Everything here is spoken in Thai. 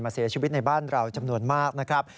เสียชีวิตในบ้านเราจำนวนมากนะครับ